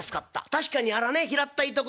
確かにあらね平ったいとこに目が。